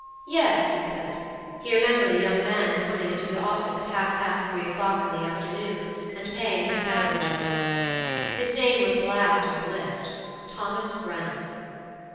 Yes, he said; he remembered a young man's coming into the office at half past three o'clock in the afternoon, and paying his passage money. His name was the last on the listThomas Brown.